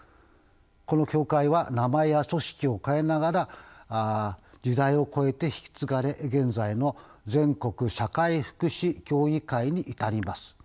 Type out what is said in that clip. この協会は名前や組織を変えながら時代を超えて引き継がれ現在の全国社会福祉協議会に至ります。